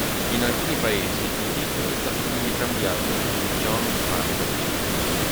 In alcuni paesi il titolo è stato quindi cambiato in "John Rambo".